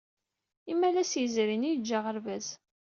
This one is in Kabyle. Imalas yezrin ay yejja aɣerbaz.